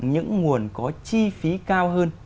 những nguồn có chi phí cao hơn